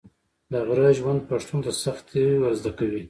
د غره ژوند پښتون ته سختي ور زده کوي.